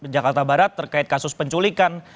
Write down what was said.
jakarta barat terkait kasus penculikan